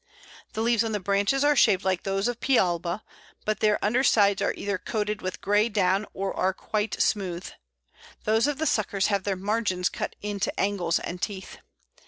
The leaves on the branches are shaped like those of P. alba, but their under sides are either coated with grey down or are quite smooth; those of the suckers have their margins cut into angles and teeth.